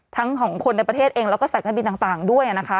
ทั้งของคนในประเทศเองแล้วก็สายการบินต่างด้วยนะคะ